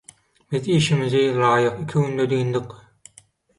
Biz işimizi ylaýyk iki günde dyndyk.